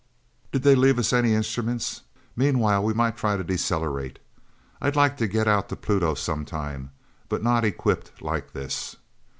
Did they leave us any instruments? Meanwhile, we might try to decelerate. I'd like to get out to Pluto sometime, but not equipped like this."